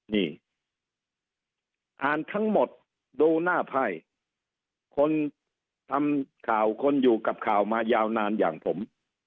นี่อ่านทั้งหมดดูหน้าไพ่คนทำข่าวคนอยู่กับข่าวมายาวนานอย่างผม